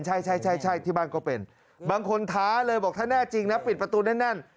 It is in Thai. ใช่ใช่ที่บ้านก็เป็นบางคนท้าเลยบอกถ้าแน่จริงนะปิดประตูแน่น